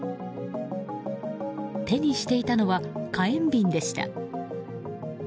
手にしていたのは火炎瓶でした。